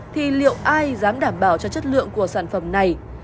thì liệu ai dám đảm bảo cho chất lượng của sản phẩm này